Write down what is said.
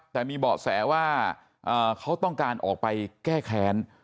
แต่มีเบาะแสว่าเขาต้องการออกไปแก้แค้น